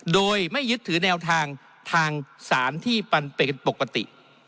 โดยไม่ยึดถือแนวทางทางสารที่มันเป็นปกติ